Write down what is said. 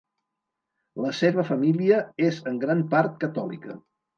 La seva família és en gran part catòlica.